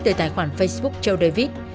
từ tài khoản facebook châu david